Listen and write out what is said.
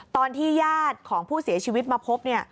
ตอนที่ญาติของผู้เสียชีวิตมาพบเนี่ย